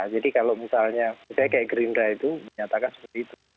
jadi kalau misalnya saya kayak gerindra itu menyatakan seperti itu